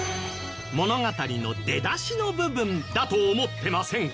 物語の出だしの部分だと思ってませんか？